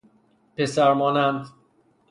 پسرمانند